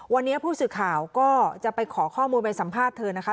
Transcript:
วันนี้ผู้สื่อข่าวก็จะไปขอข้อมูลไปสัมภาษณ์เธอนะคะ